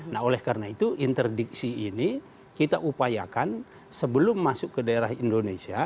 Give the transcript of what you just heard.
nah oleh karena itu interdiksi ini kita upayakan sebelum masuk ke daerah indonesia